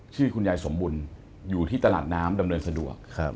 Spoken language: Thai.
ชื่อคุณยายสมบุญอยู่ที่ตลาดน้ำดำเนินสะดวก